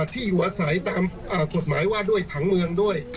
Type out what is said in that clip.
ที่หัวใสตามกฎหมายว่าด้วยผังเมืองด้วย